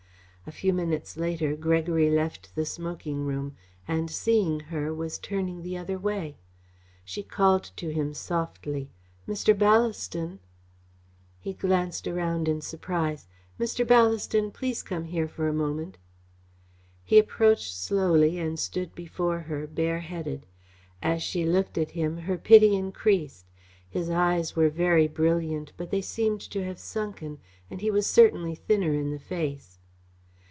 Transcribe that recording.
A few minutes later, Gregory left the smoking room, and, seeing her, was turning the other way. She called to him softly. "Mr. Ballaston." He glanced around in surprise. "Mr. Ballaston, please come here for a moment." He approached slowly and stood before her, bareheaded. As she looked at him her pity increased. His eyes were very brilliant but they seemed to have sunken, and he was certainly thinner in the face.